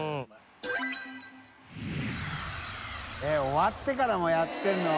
終わってからもやってるの？